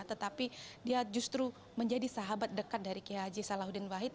tetapi dia justru menjadi sahabat dekat dari kiai haji salahuddin wahid